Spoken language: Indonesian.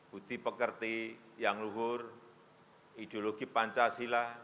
budi pekerti yang luhur ideologi pancasila